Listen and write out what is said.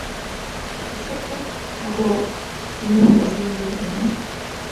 왜 쐈죠? 라고 묻는 것이군요?